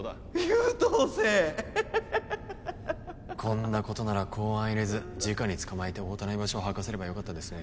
優等生こんなことなら公安入れずじかに捕まえて太田の居場所を吐かせればよかったですね